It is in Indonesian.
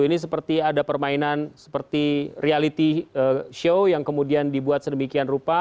ini seperti ada permainan seperti reality show yang kemudian dibuat sedemikian rupa